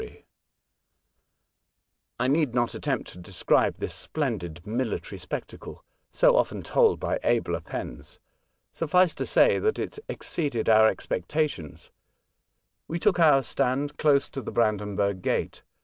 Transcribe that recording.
TfZ yfz ^^ ^f I need not attempt to describe this splendid mihtary spectacle, so often told by abler pens. A Love Chapter. 39 Suffice it to say that it exceeded our expecta tions. We took our stand close to the Bran denburg Gate.